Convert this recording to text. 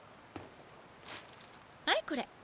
はいこれ。